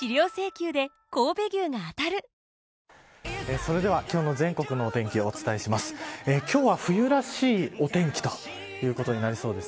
それでは今日の全国のお天気をお伝えします。